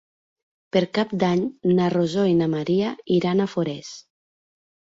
Per Cap d'Any na Rosó i na Maria iran a Forès.